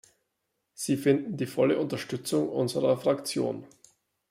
Sie finden die volle Unterstützung unserer Fraktion.